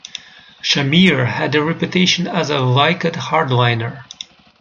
Shamir had a reputation as a Likud hard-liner.